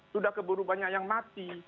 sudah keburu banyak yang mati